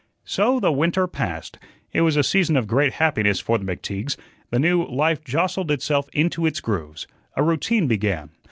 So the winter passed. It was a season of great happiness for the McTeagues; the new life jostled itself into its grooves. A routine began.